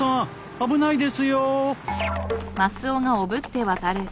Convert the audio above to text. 危ないですよ！